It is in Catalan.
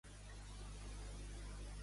On se situava, doncs, Cil·lene?